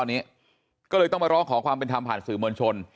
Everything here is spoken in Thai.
ตอนนี้ก็เลยต้องมาร้องขอความเป็นธรรมผ่านสื่อมวลชน